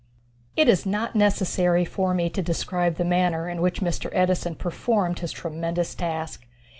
It is not necessary for me to describe the manner in which Mr. Edison performed his tremendous task.